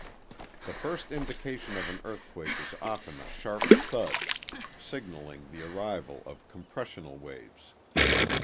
] The first indication of an earthquake is often a sharp thud, signaling the arrival of compressional waves.